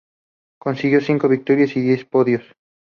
Consiguió cinco victorias y diez podios.